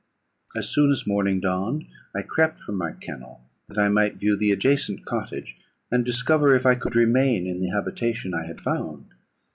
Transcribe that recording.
"As soon as morning dawned, I crept from my kennel, that I might view the adjacent cottage, and discover if I could remain in the habitation I had found.